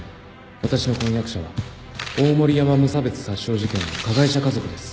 私の婚約者は大森山無差別殺傷事件の加害者家族です。